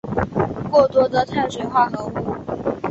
过多的碳水化合物